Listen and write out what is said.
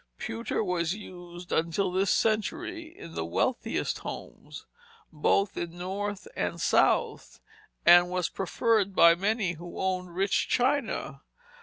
Pewter was used until this century in the wealthiest homes, both in the North and South, and was preferred by many who owned rich china.